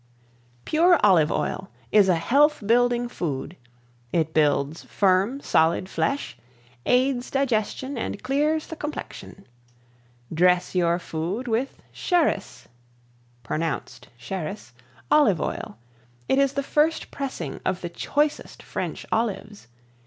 ] PURE OLIVE OIL Is a health building food. It builds firm solid flesh, aids digestion and clears the complexion. Dress Your Food With CHIRIS (pronounced Sheris) Olive Oil It is the first pressing of the choicest French Olives.